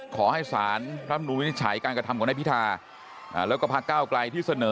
ขอให้สารรำนูลวินิจฉัยการกระทำของนายพิธาแล้วก็พระเก้าไกลที่เสนอ